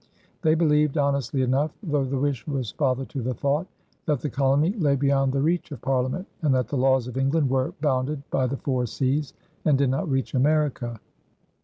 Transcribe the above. They believed, honestly enough, though the wish was father to the thought, that the colony lay beyond the reach of Parliament and that the laws of England were bounded by the four seas and did not reach America.